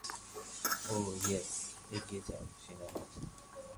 ও, yes, এগিয়ে যাও সেনারা!